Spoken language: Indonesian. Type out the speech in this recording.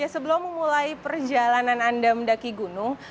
sebelum memulai perjalanan anda mendaki gunung